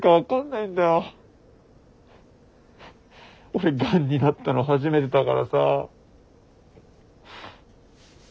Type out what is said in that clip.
俺がんになったの初めてだからさ。